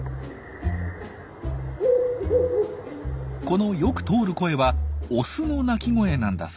このよく通る声はオスの鳴き声なんだそうです。